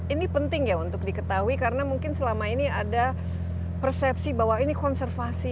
ini penting ya untuk diketahui karena mungkin selama ini ada persepsi bahwa ini konservasi